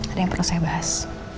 ada yang perlu saya bahas